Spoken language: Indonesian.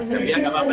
ya tidak apa apa